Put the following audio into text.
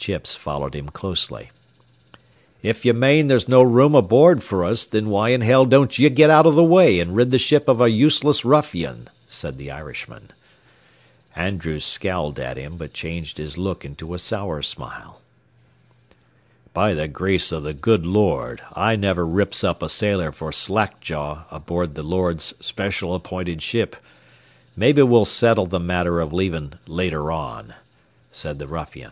Chips followed him closely. "If ye mane there's no room aboard fer us, thin why in hell don't ye git out th' way an' rid th' ship av a useless ruffian," said the Irishman. Andrews scowled at him, but changed his look into a sour smile. "By the grace of the good Lord, I never rips up a sailor for slack jaw aboard the Lord's special appointed ship. Maybe we'll settle the matter of leaving later on," said the ruffian.